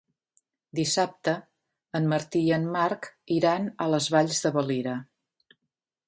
Dissabte en Martí i en Marc iran a les Valls de Valira.